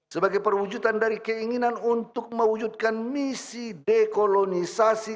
sebagai perwujudan dari keinginan untuk mewujudkan misi dekolonisasi